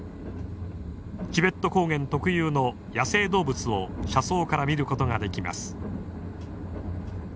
チベット高原特有の野生動物を車窓から見ることができます。